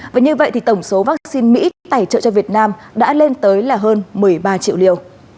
và như vậy thì tổng số vaccine mỹ tài trợ cho việt nam đã lên tới là hơn một mươi ba triệu liều